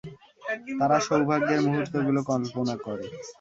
তারা সৌভাগ্যের মূহুর্তগুলো কল্পনা করে?